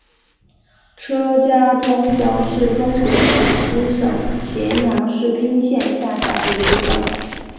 车家庄乡是中国陕西省咸阳市彬县下辖的一个乡。